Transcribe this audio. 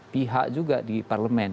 pihak juga di parlemen